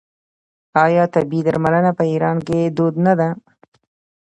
آیا طبیعي درملنه په ایران کې دود نه ده؟